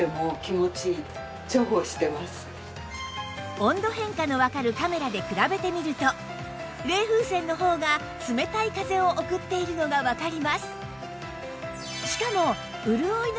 温度変化のわかるカメラで比べてみると冷風扇のほうが冷たい風を送っているのがわかります